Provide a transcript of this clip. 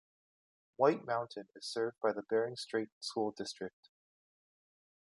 White Mountain is served by the Bering Strait School District.